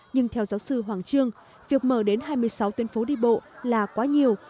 nhưng theo giáo sư hoàng trương việc mở đến hai mươi sáu tuyến phố đi bộ là quá nhiều